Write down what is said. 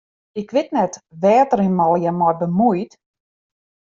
Ik wit net wêr't er him allegearre mei bemuoit.